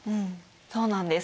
そうなんです。